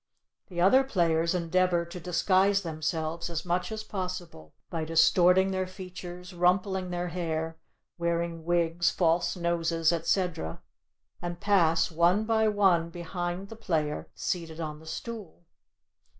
The other players endeavor to disguise themselves as much as possible, by distorting their features, rumpling their hair, wearing wigs, false noses, etc., and pass one by one behind the player seated on the stool.